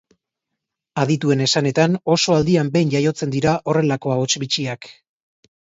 Adituen esanetan, oso aldian behin jaiotzen dira horrelako ahots bitxiak.